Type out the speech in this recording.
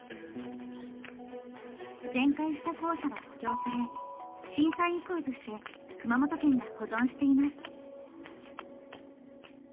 全壊した校舎は補強され震災遺構として熊本県が保存しています。